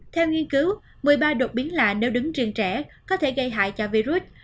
theo nghiên cứu một mươi ba đột biến là nếu đứng riêng trẻ có thể gây hại cho virus